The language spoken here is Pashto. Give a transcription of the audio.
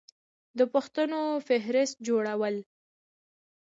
د پوښتنو فهرست جوړول